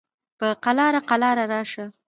په قلاره قلاره راشه